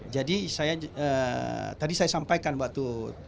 jadi saya tadi saya sampaikan waktu